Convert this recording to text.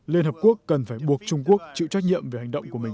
liên hợp quốc cần phải buộc trung quốc chịu trách nhiệm về hành động của mình